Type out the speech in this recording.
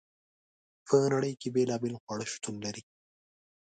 په نړۍ کې بیلابیل خواړه شتون لري.